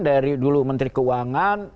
dari dulu menteri keuangan